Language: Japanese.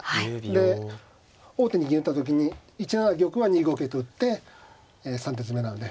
で王手に銀打った時に１七玉は２五桂と打って３手詰めなので。